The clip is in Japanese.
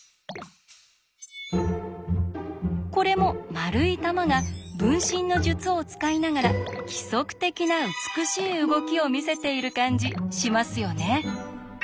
これも丸い玉が「分身の術」を使いながら規則的な美しい動きを見せている感じしますよね？